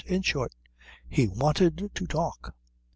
In short, he wanted to talk.